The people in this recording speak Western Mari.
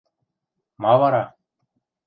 Ма вара?